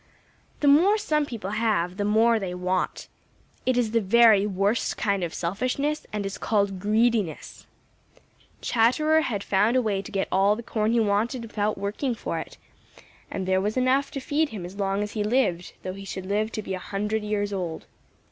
The more some people have, the more they want. It is the very worst kind of selfishness and is called greediness. Chatterer had found a way to get all the corn he wanted without working for it, and there was enough to feed him as long as he lived, though he should live to be a hundred years old.